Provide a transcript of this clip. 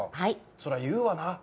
そら言うわなぁ。